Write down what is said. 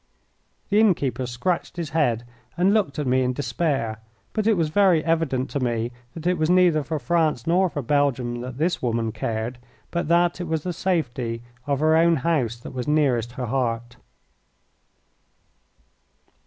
The innkeeper scratched his head and looked at me in despair, but it was very evident to me that it was neither for France nor for Belgium that this woman cared, but that it was the safety of her own house that was nearest her heart.